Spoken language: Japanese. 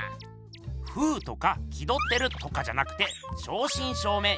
「風」とか「気どってる」とかじゃなくて正しん正めい